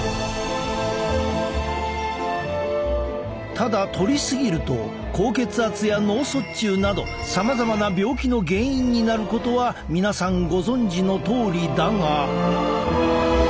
ただとり過ぎると高血圧や脳卒中などさまざまな病気の原因になることは皆さんご存じのとおりだが。